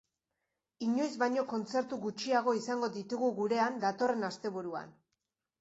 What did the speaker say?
Inoiz baino kontzertu gutxiago izango ditugu gurean datorren asteburuan.